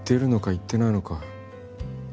いってないのか？